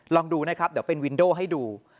ลองดูนะครับเดี๋ยวเป็นวินโดให้ดู